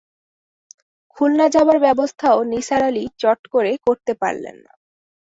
খুলনা যাবার ব্যবস্থাও নিসার আলি চট করে করতে পারলেন না।